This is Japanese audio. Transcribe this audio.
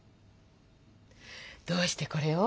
どうしてこれを？